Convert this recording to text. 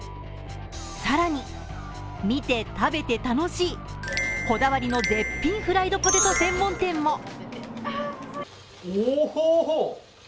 更に、見て、食べて楽しいこだわりの絶品フライドポテト専門店も。